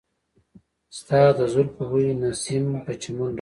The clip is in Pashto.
ستا د زلفو بوی نسیم په چمن راوړ.